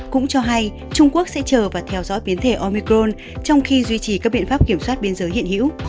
cũng cho hay trung quốc sẽ chờ và theo dõi biến thể omicron trong khi duy trì các biện pháp kiểm soát biên giới hiện hữu